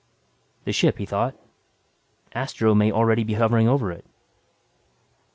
The ship, he thought. Astro may already be hovering over it.